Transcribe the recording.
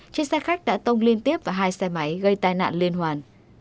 chiếc xe khách đã tông liên tiếp vào hai xe máy gây tai nạn liên hoàn